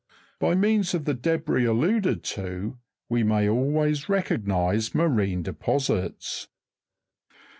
By means of the debris alluded to, we may always recognize marine deposits.